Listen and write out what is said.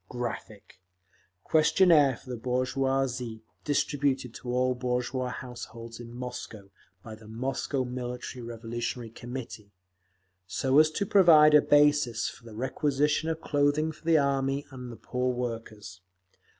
_ [Graphic, page 251: Questionaire for the Bourgeoioisie] Distributed to all bourgeois households in Moscow by the Moscow Military Revolutionary Commitee, so as to provide a basis for the requisition of clothing for the Army and the poor workers.